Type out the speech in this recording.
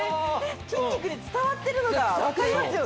筋肉で伝わってるのが分かりますよね。